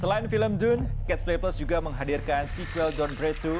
selain film dune catch play plus juga menghadirkan sequel don't pray dua